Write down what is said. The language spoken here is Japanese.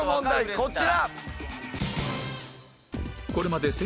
こちら。